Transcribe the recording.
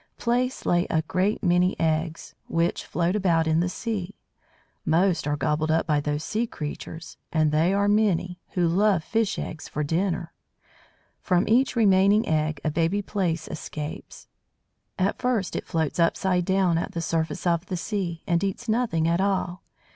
Plaice lay a great many eggs, which float about in the sea. Most are gobbled up by those sea creatures and they are many who love fish eggs for dinner. From each remaining egg a baby Plaice escapes. At first it floats upside down at the surface of the sea, and eats nothing at all.